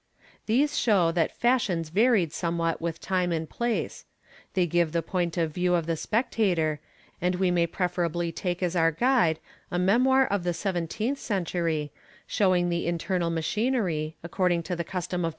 These show that fashions varied somewhat with time and place; they give the point of view of the spectator, and we may prefer ably take as our guide a memoir of the seventeenth century showing the internal machinery, according to the custom of Toledo, ' Archive de Simancas, Inq.